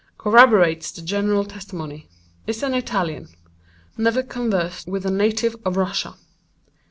Corroborates the general testimony. Is an Italian. Never conversed with a native of Russia.